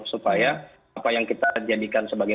supaya apa yang kita jadikan sebagai